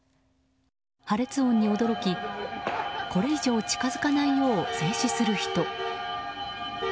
破裂音に驚きこれ以上近づかないよう制止する人。